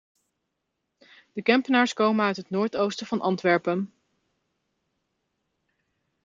De Kempenaars komen uit het noordoosten van Antwerpen.